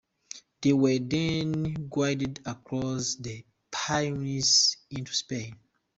They were then guided across the Pyrenees into Spain.